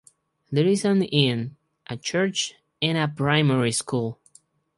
There is an inn, a church and a primary school.